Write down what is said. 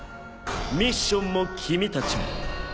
ミッションも君たちも。